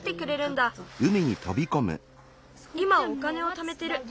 いまお金をためてる。